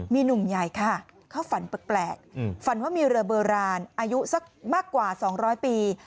มีหนุ่มใหญ่ค่ะเขาฝันแปลกฝันว่ามีเรือโบราณอายุสักมากกว่า๒๐๐ปี